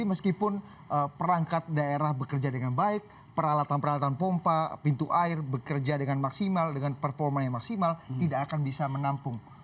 meskipun perangkat daerah bekerja dengan baik peralatan peralatan pompa pintu air bekerja dengan maksimal dengan performa yang maksimal tidak akan bisa menampung